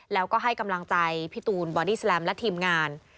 แล้วก็ให้กำลังใจพี่ตูนบอดี้แลมและทีมงาน